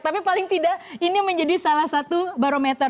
tapi paling tidak ini menjadi salah satu barometer